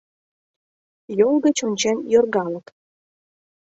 Йол гыч ончен йоргалык.